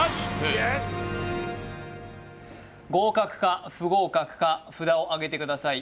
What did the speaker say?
合格が不合格か札をあげてください